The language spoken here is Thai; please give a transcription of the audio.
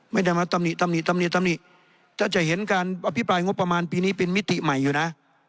ไม่ได้มาตำหนิตำหนิตำหนิตำหนิถ้าจะเห็นการอภิปรายงบประมาณปีนี้เป็นมิติใหม่อยู่นะ